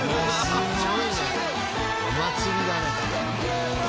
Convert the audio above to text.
すごいねお祭りだね。